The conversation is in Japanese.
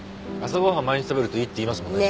朝ご飯毎日食べるといいっていいますもんね。